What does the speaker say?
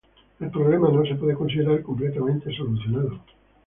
El problema no se puede considerar completamente solucionado.